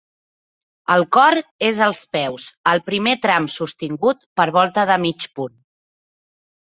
El cor és als peus, al primer tram sostingut per volta de mig punt.